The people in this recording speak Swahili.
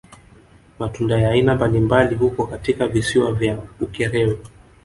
Matunda ya aina mabalimbali huko katika visiwa vya Ukerewe